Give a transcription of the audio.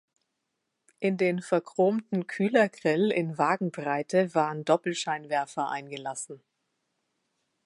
In den verchromten Kühlergrill in Wagenbreite waren Doppelscheinwerfer eingelassen.